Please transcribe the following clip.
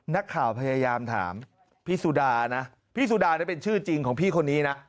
นักข่าวพยายามถามพี่สุดานะพี่สุดาเป็นชื่อจริงของพี่คนนี้นะ